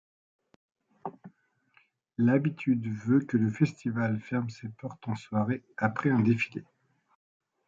L'habitude veut que le festival ferme ses portes en soirée après un défilé.